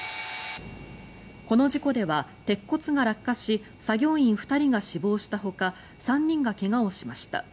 この事故では鉄骨が落下し作業員２人が死亡したほか３人が怪我をしました。